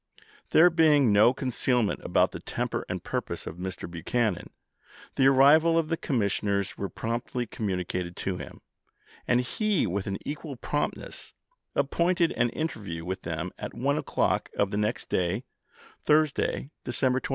There being no concealment about the temper and purpose of Mr. Buchanan, the arrival of the commissioners was promptly com municated to him, and he with an equal prompt ness appointed an interview with them at 1 o'clock of the next day, Thursday, December 27.